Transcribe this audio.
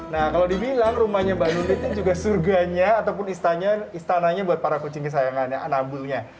nah kalau dibilang rumahnya mbak nunitnya juga surganya ataupun istananya buat para kucing kesayangannya anambulnya